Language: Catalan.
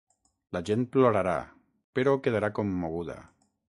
La gent plorarà, però quedarà commoguda.